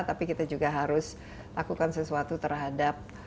tapi kita juga harus lakukan sesuatu terhadap